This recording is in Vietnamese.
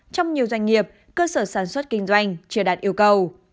trong nhiều doanh nghiệp cơ sở sản xuất kinh doanh chưa đạt yêu cầu